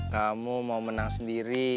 kamu mau menang sendiri